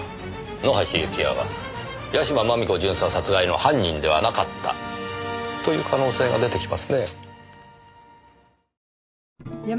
野橋幸也は屋島真美子巡査殺害の犯人ではなかったという可能性が出て来ますね。